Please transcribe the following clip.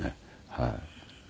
はい。